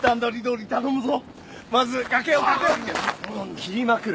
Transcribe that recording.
斬りまくる。